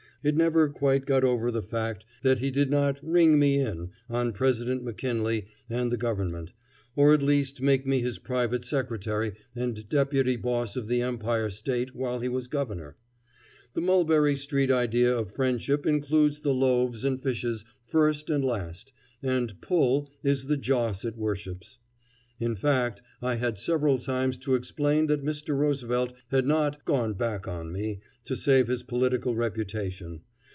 It never quite got over the fact that he did not "ring me in" on President McKinley and the Government, or at least make me his private secretary and deputy boss of the Empire State while he was Governor. The Mulberry Street idea of friendship includes the loaves and fishes first and last, and "pull" is the Joss it worships. In fact I had several times to explain that Mr. Roosevelt had not "gone back on me" to save his political reputation.